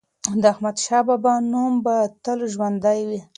د احمدشاه بابا نوم به تل ژوندی وي.